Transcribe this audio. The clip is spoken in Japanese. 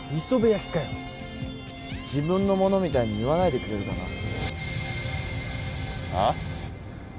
磯辺焼きかよ自分のものみたいに言わないでくれるかなあっ？